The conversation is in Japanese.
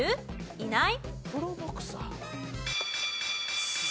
いない。